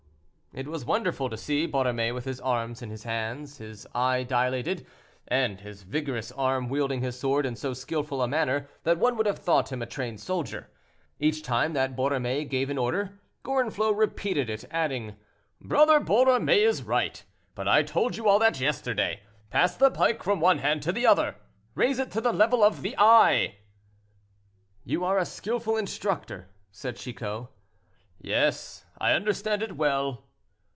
It was wonderful to see Borromée with his arms in his hands, his eye dilated, and his vigorous arm wielding his sword in so skillful a manner that one would have thought him a trained soldier. Each time that Borromée gave an order, Gorenflot repeated it, adding: "Brother Borromée is right; but I told you all that yesterday. Pass the pike from one hand to the other! Raise it to the level of the eye!" "You are a skillful instructor," said Chicot. "Yes, I understand it well."